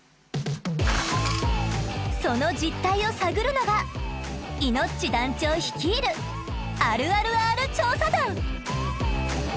その実態を探るのがイノッチ団長率いる「あるあるＲ調査団」。